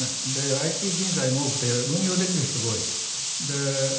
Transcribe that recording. ＩＴ人材も多くて運用できる人が多い。